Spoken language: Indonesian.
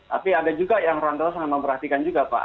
tapi ada juga yang rata rata sangat memperhatikan juga pak